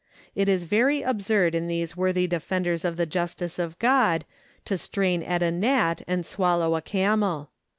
It is very absurd in these worthy defenders of the justice of God to strain at a gnat and swallow a camel.